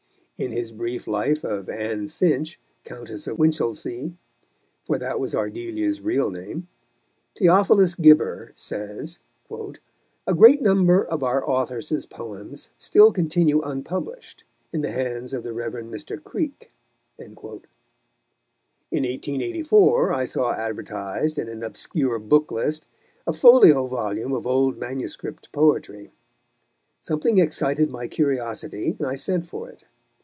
In his brief life of Anne Finch, Countess of Winchilsea for that was Ardelia's real name Theophilus Gibber says, "A great number of our authoress' poems still continue unpublished, in the hands of the Rev. Mr. Creake." In 1884 I saw advertised, in an obscure book list, a folio volume of old manuscript poetry. Something excited my curiosity, and I sent for it.